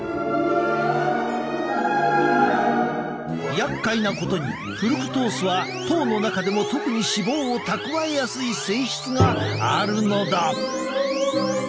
やっかいなことにフルクトースは糖の中でも特に脂肪を蓄えやすい性質があるのだ。